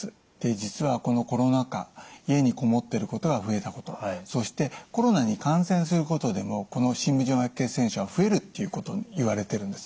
実はこのコロナ禍家にこもっていることが増えたことそしてコロナに感染することでもこの深部静脈血栓症が増えるっていうこといわれているんですね。